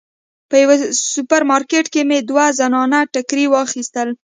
په یوه سوپر مارکیټ کې مې دوه زنانه ټیکري واخیستل.